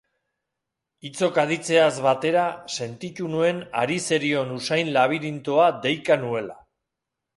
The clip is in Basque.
Hitzok aditzeaz batera sentitu nuen hari zerion usain-labirintoa deika nuela.